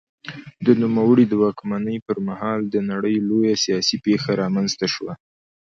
د نوموړي د واکمنۍ پر مهال د نړۍ لویه سیاسي پېښه رامنځته شوه.